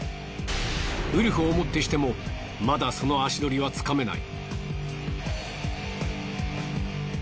ウルフをもってしてもまだその足取りはつかめない。